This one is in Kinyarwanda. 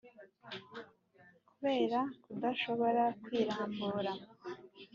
kubera kudashobora kwirambura